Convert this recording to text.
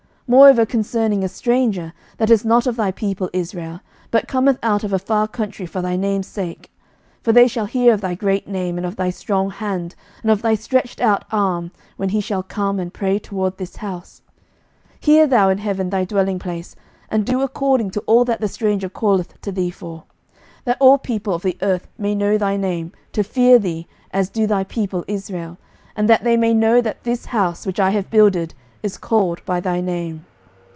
11:008:041 Moreover concerning a stranger, that is not of thy people Israel, but cometh out of a far country for thy name's sake; 11:008:042 (For they shall hear of thy great name, and of thy strong hand, and of thy stretched out arm;) when he shall come and pray toward this house; 11:008:043 Hear thou in heaven thy dwelling place, and do according to all that the stranger calleth to thee for: that all people of the earth may know thy name, to fear thee, as do thy people Israel; and that they may know that this house, which I have builded, is called by thy name.